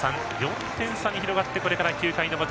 ４点差に広がってこれから９回の表。